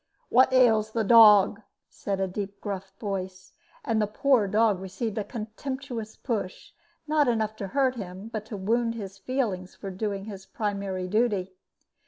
"What ails the dog?" said a deep gruff voice; and the poor dog received a contemptuous push, not enough to hurt him, but to wound his feelings for doing his primary duty.